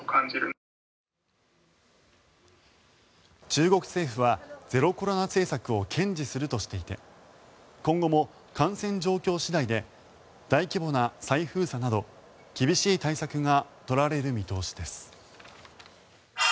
中国政府はゼロコロナ政策を堅持するとしていて今後も感染状況次第で大規模な再封鎖など厳しい対策が取られる見通しです。